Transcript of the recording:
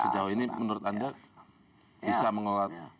sejauh ini menurut anda bisa mengelola